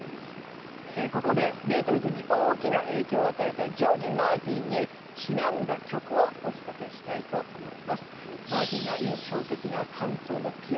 ここでビートルズに大きな影響を与えたジョージ・マーティンにちなんだ曲をお聴かせしたいと思います。